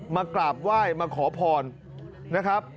มากราบไหว้มาขอพรนะครับ